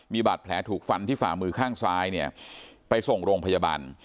มีบาดแผลถูกฟันที่ฝ่ามือข้างซ้ายเนี่ยไปส่งโรงพยาบาล